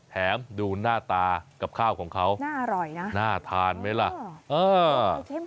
แถมดูหน้าตากับข้าวของเขาหน้าทานไหมละหน้าอร่อยนะ